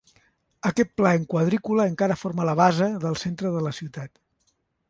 Aquest pla en quadrícula encara forma la base del centre de la ciutat.